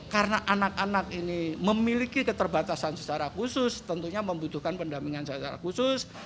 karena anak anak ini memiliki keterbatasan secara khusus tentunya membutuhkan pendampingan secara khusus